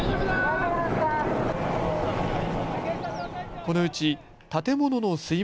このうち建物の水没